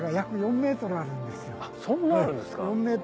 そんなあるんですか。